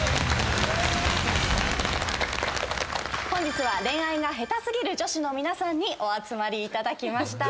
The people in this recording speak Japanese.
本日は恋愛が下手過ぎる女子の皆さんにお集まりいただきました。